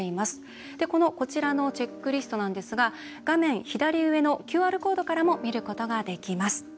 こちらのチェックリストなんですが画面左上のＱＲコードからも見ることができます。